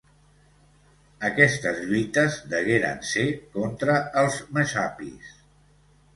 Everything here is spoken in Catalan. Aquestes lluites degueren ser contra els messapis.